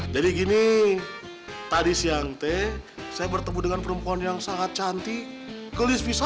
jadi gini tadi siang teh saya bertemu dengan perempuan yang sangat cantik